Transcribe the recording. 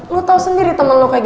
lo tau sendiri temen lo gak apa apa